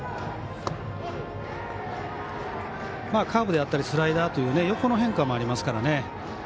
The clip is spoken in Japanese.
カーブであったりスライダーという横の変化もありますからね。